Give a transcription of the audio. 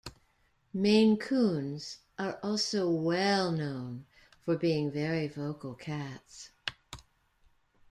Maine Coons are also well known for being very vocal cats.